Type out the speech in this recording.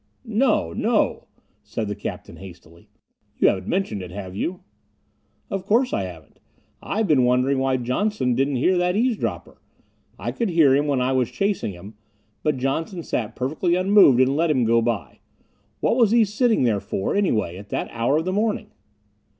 "No no," said the captain hastily. "You haven't mentioned it, have you?" "Of course I haven't. I've been wondering why Johnson didn't hear that eavesdropper. I could hear him when I was chasing him. But Johnson sat perfectly unmoved and let him go by. What was he sitting there for, anyway, at that hour of the morning?"